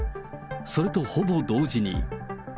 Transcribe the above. それとほぼ同時に。